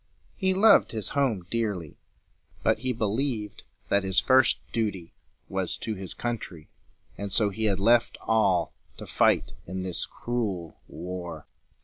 He loved his home dearly, but he believed that his first duty was to his country; and so he had left all, to fight in this cruel war.